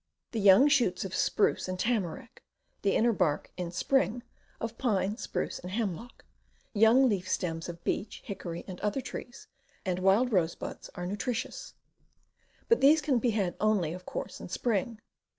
The young shoots of spruce and tamarack, the inner bark (in spring) of pine, spruce, and hemlock, young leaf stems of beech, hickory and other trees, and wild rose buds, are nutritious; but these can be had only, of course in spring.